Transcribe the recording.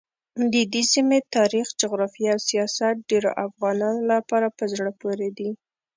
ددې سیمې تاریخ، جغرافیه او سیاست ډېرو افغانانو لپاره په زړه پورې دي.